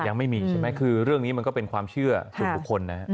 ยังไม่มีใช่ไหมคือเรื่องนี้มันก็เป็นความเชื่อส่วนบุคคลนะฮะ